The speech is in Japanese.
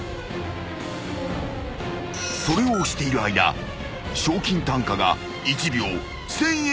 ［それを押している間賞金単価が１秒１，０００円に上昇］